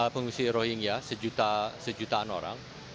pengungsi rohingya sejutaan orang